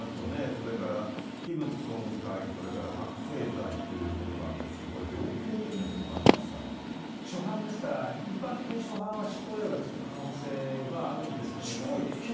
それから器物損壊、それから覚醒剤ということなんですが、これ、初犯ですから、一般的に初犯は執行猶予が付く可能性があるんですけれども。